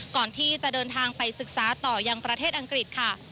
ก่อนที่จะเดินทางไปศึกษาต่อยังประเทศอังกฤษค่ะ